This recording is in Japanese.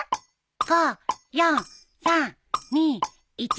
５４３２１。